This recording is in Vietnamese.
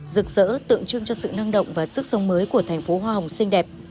rực rỡ tượng trưng cho sự năng động và sức sống mới của thành phố hoa hồng xinh đẹp